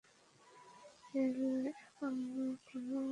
এই আল্লাহ এক, অন্য কোন ইলাহ নেই।